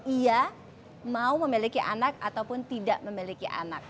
ia mau memiliki anak ataupun tidak memiliki anak